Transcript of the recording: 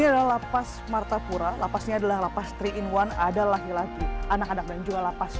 danira lapas martapura lapasnya adalah pas triun one adalah laki laki anak anak dan juga lapas